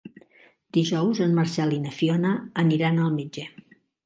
Dijous en Marcel i na Fiona aniran al metge.